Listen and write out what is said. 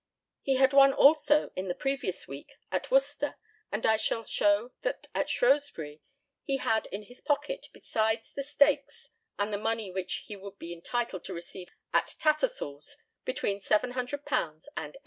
He had won also in the previous week, at Worcester, and I shall show that at Shrewsbury he had in his pocket, besides the stakes and the money which he would be entitled to receive at Tattersall's, between £700 and £800.